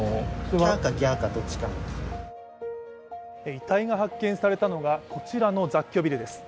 遺体が発見されたのがこちらの雑居ビルです。